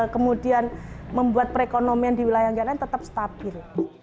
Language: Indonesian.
kemudian membuat perekonomian di wilayah yang lain tetap stabil